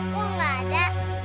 kok gak ada